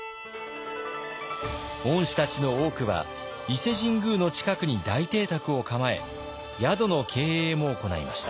御師たちの多くは伊勢神宮の近くに大邸宅を構え宿の経営も行いました。